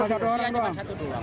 cuma satu orang doang